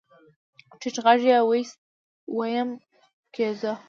ټيټ غږ يې واېست ويم کېوځه.